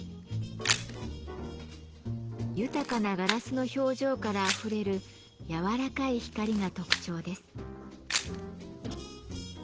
豊かなガラスの表情からあふれる柔らかい光が特徴です。